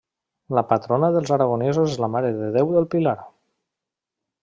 La patrona dels aragonesos és la Mare de Déu del Pilar.